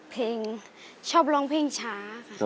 เพลงชอบร้องเพลงช้าค่ะ